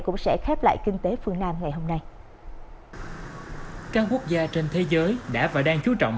cũng sẽ khép lại kinh tế phương nam ngày hôm nay các quốc gia trên thế giới đã và đang chú trọng